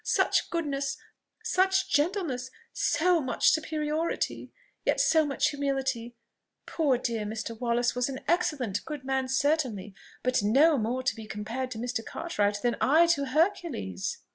Such goodness, such gentleness, so much superiority, yet so much humility! Poor dear Mr. Wallace was an excellent good man, certainly, but no more to be compared to Mr. Cartwright than I to Hercules!"